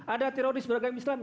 ada teroris beragam islam